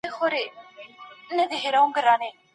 ستونزو ته په نوي لید وګورئ.